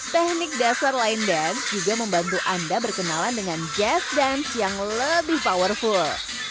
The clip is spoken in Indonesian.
teknik dasar line dance juga membantu anda berkenalan dengan jazz dance yang lebih powerful